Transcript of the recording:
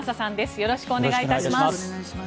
よろしくお願いします。